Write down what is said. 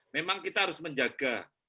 memang kita harus menjaga